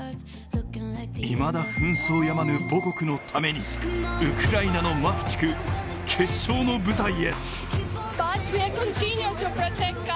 いまだ紛争やまぬ母国のためにウクライナのマフチク、決勝の舞台へ。